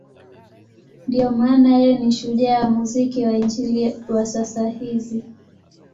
Ndiyo maana yeye ni shujaa wa muziki wa Injili wa sasa hizi.